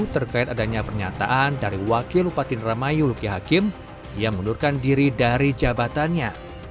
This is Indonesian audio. terkait adanya pernyataan dari wakil upati indramayu luki hakim yang mengundurkan diri dari jabatannya